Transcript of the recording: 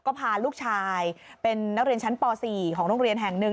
ก็พาลูกชายเป็นนักเรียนชั้นป๔ของโรงเรียนแห่งหนึ่ง